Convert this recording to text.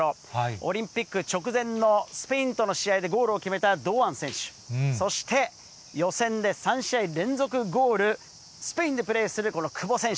オリンピック直前のスペインとの試合でゴールを決めた堂安選手、そして予選で３試合連続ゴール、スペインでプレーするこの久保選手。